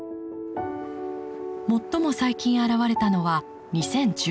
最も最近現れたのは２０１８年。